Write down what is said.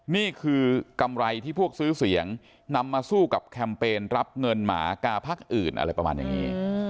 นี่คือกำไรที่พวกซื้อเสียงนำมาสู้กับแคมเปญรับเงินหมากาพักอื่นอะไรประมาณอย่างนี้